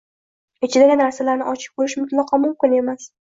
Ichidagi narsalarni ochib ko‘rish mutlaqo mumkin emas.